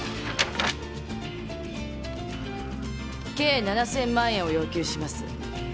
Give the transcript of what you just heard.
計７，０００万円を要求します。